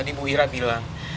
anda terlalu cepat menghilang